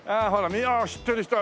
いや知ってる人。